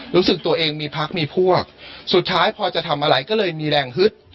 รู้สึกตัวเองมีพักมีพวกสุดท้ายพอจะทำอะไรก็เลยมีแรงฮึด